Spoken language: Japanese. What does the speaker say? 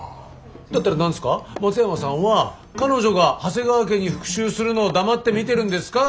だったら何ですか松山さんは彼女が長谷川家に復讐するのを黙って見てるんですか？